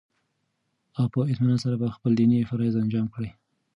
او په اطمينان سره به خپل ديني فرايض انجام كړي